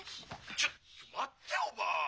☎ちょっと待っておばぁ！